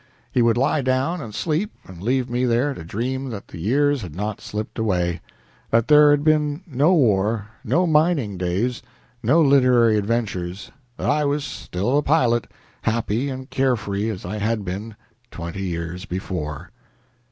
He would lie down and sleep and leave me there to dream that the years had not slipped away; that there had been no war, no mining days, no literary adventures; that I was still a pilot, happy and care free as I had been twenty years before."